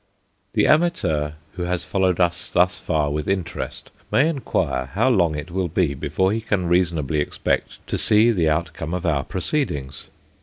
The amateur who has followed us thus far with interest, may inquire how long it will be before he can reasonably expect to see the outcome of our proceedings?